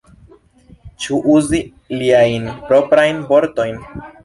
Ĉu uzi liajn proprajn vortojn?